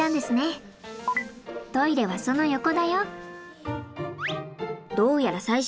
トイレはその横だよ。